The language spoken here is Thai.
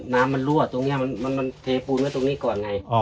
รั่วตรงนี้มันเทปูนไว้ตรงนี้ก่อนไง